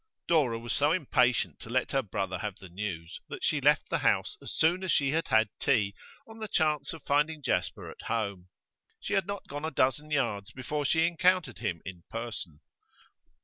Dora was so impatient to let her brother have the news that she left the house as soon as she had had tea on the chance of finding Jasper at home. She had not gone a dozen yards before she encountered him in person.